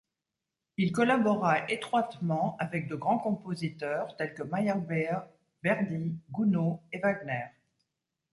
Il collabora étroitement avec de grands compositeurs tels que Meyerbeer, Verdi, Gounod et Wagner.